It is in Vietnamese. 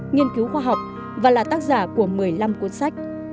nghiên cứu khoa học và là tác giả của một mươi năm cuốn sách